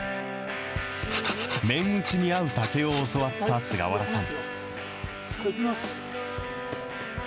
麺打ちに合う竹を教わった菅原さん。